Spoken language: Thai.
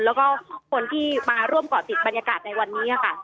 แล้วก็คนที่มาร่วมเกาะติดบรรยากาศในวันนี้ค่ะ